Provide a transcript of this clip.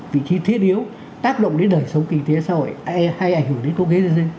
vị trí thiết yếu tác động để đẩy sống kinh tế xã hội hay ảnh hưởng đến cố kế dân dân